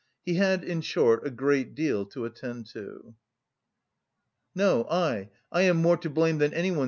He had, in short, a great deal to attend to.... "No, I, I am more to blame than anyone!"